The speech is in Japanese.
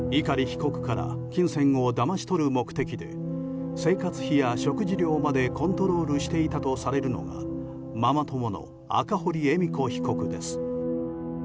碇被告から金銭をだまし取る目的で生活費や食事量までコントロールしていたとされるのがママ友の赤堀恵美子被告です。